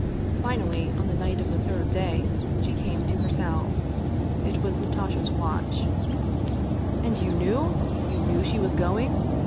Finally, on the night of the third day she came to herself. It was Natasha's watch. "And you knew? You knew she was going?"